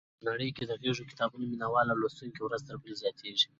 په نړۍ کې د غږیزو کتابونو مینوال او لوستونکي ورځ تر بلې زیاتېږي.